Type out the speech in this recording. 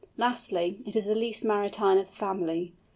Lastly, it is the least maritime of the family.